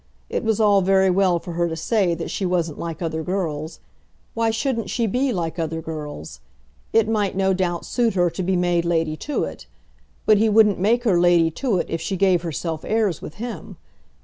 It was all very well for her to say that she wasn't like other girls. Why shouldn't she be like other girls? It might, no doubt, suit her to be made Lady Tewett; but he wouldn't make her Lady Tewett if she gave herself airs with him.